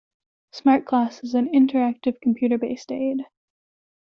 Smart Class is an interactive computer based aid.